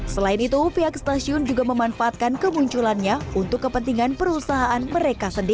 selain itu pihak stasiun juga memanfaatkan kemunculannya untuk kepentingan perusahaan mereka sendiri